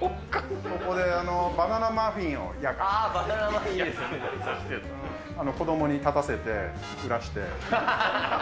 ここでバナナマフィンを焼かあー、子どもに立たせて、売らして。